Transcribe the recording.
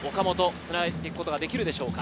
つなげていくことができるでしょうか。